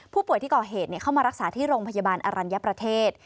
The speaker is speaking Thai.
ผู้ป่วยที่ก่อเหตุเข้ามารักษาที่โรงพยาบาลอรัญญประเทศ